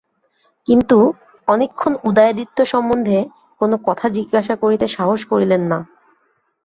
কিন্তু অনেকক্ষণ উদয়াদিত্য সম্বন্ধে কোনো কথা জিজ্ঞাসা করিতে সাহস করিলেন না।